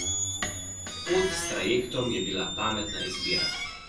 Pot s trajektom je bila pametna izbira.